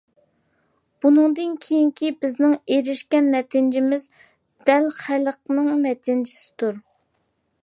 بۇنىڭدىن كېيىنكى بىزنىڭ ئېرىشكەن نەتىجىمىز دەل خەلقنىڭ نەتىجىسىدۇر.